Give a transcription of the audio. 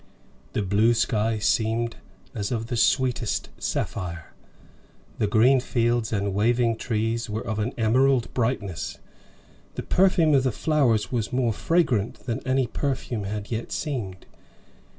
The blue sky seemed as of the sweetest sapphire, the green fields and waving trees were of an emerald brightness, the perfume of the flowers was more fragrant than any perfume had yet seemed.